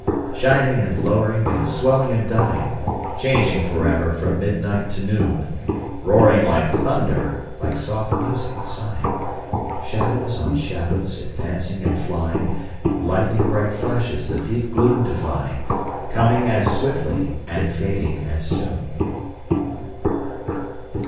Shining and lowering and swelling and dying, Changing forever from midnight to noon; Roaring like thunder, like soft music sighing, Shadows on shadows advancing and flying, Lighning bright flashes the deep gloom defying, Coming as swiftly and fading as soon.